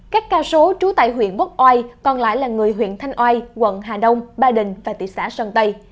các ca số trú tại huyện quốc oai còn lại là người huyện thanh oai quận hà đông ba đình và thị xã sơn tây